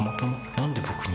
「何で僕に？